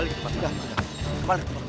tidak ada apa apa